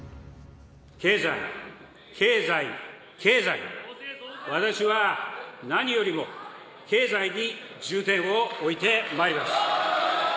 経済、経済、経済、私は何よりも経済に重点を置いてまいります。